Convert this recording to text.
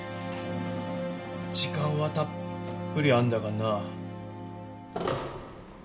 時間はたっぷりあるんだからな。